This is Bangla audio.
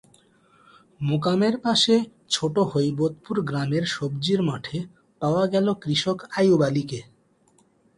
মোকামের পাশে ছোট হৈবতপুর গ্রামের সবজির মাঠে পাওয়া গেল কৃষক আইয়ুব আলীকে।